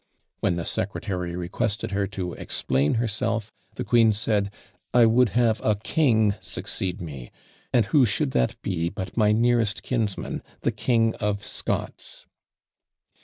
When the secretary requested her to explain herself, the queen said, "I would have a king succeed me; and who should that he but my nearest kinsman, the King of Scots?"